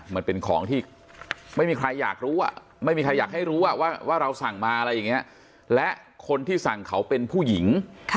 มันเป็นของที่ไม่มีใครอยากรู้ไม่มีใครอยากให้รู้ว่าเราสั่งมาอะไรอย่างนี้และคนที่สั่งเขาเป็นผู้หญิง